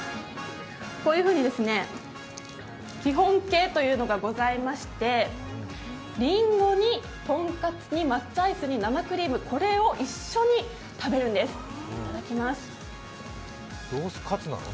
こういうふうに基本形というのがございましてりんごにとんかつに抹茶アイスに生クリーム、これを一緒に食べるんです。